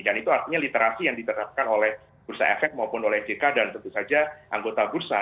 dan itu artinya literasi yang diterapkan oleh bursa efek maupun oleh jk dan tentu saja anggota bursa